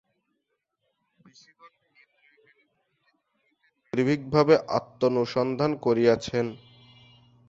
ঋষিগণ ইন্দ্রিয়-জ্ঞানের অতীত ভূমিতে নির্ভীকভাবে আত্মানুসন্ধান করিয়াছেন।